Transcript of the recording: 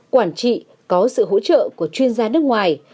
quản trị có sự hỗ trợ của chuyên gia nước ngoài